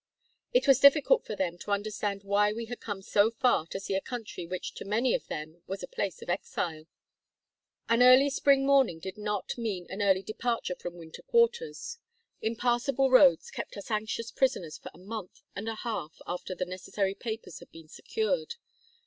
It was difficult for them to understand why we had come so far to see a country which to many of them was a place of exile. An early spring did not mean an early departure from winter quarters. Impassable roads kept us anxious prisoners for a month and a half after the necessary papers had been secured.